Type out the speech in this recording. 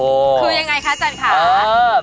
คือยังไงคะจั๊นข่าว